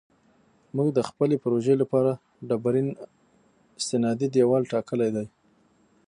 موږ د خپلې پروژې لپاره ډبرین استنادي دیوال ټاکلی دی